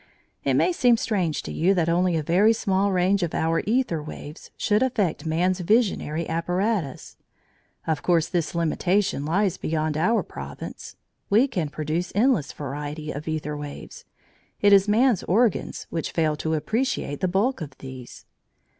It may seem strange to you that only a very small range of our æther waves should affect man's visionary apparatus. Of course this limitation lies beyond our province; we can produce endless variety of æther waves it is man's organs which fail to appreciate the bulk of these.